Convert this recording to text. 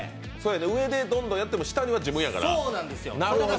上でどんどんやっても下は自分やから。